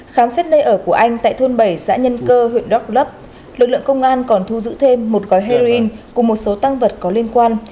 khám xét nơi ở của anh tại thôn bảy xã nhân cơ huyện đắk lấp lực lượng công an còn thu giữ thêm một gói heroin cùng một số tăng vật có liên quan